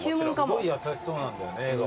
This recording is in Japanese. すごい優しそうなんだよね笑顔。